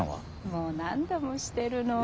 もう何度もしてるの。